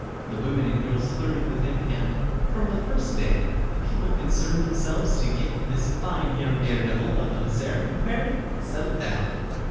The women and girls flirted with him and, from the first day, the people concerned themselves to get this fine young daredevil of an hussar married and settled down.